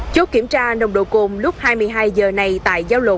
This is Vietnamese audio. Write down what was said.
chốt kiểm tra nồng độ cồn lúc hai mươi hai h này tại giao lộ